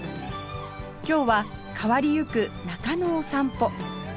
今日は変わりゆく中野を散歩